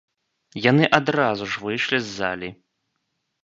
Яны адразу ж выйшлі з залі.